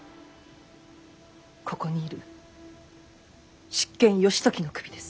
ここにいる執権義時の首です。